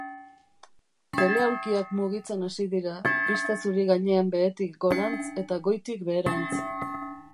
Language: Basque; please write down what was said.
Teleaulkiak mugitzen hasi dira, pista zuri gainean behetik gorantz eta goitik beherantz.